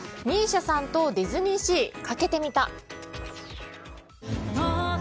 ＭＩＳＩＡさんとディズニーシー、かけてみた。